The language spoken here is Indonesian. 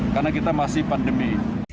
karena kita masih pandemi